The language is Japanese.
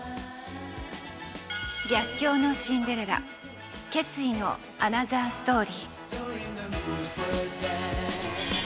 逆境のシンデレラ決意のアナザーストーリー。